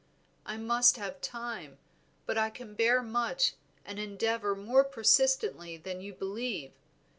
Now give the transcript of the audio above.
I must have time, but I can bear much and endeavor more persistently than you believe.